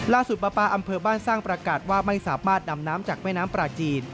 ปลาปลาอำเภอบ้านสร้างประกาศว่าไม่สามารถดำน้ำจากแม่น้ำปลาจีน